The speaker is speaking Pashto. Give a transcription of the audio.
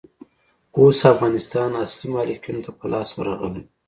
اوس افغانستان اصلي مالکينو ته په لاس ورغلئ.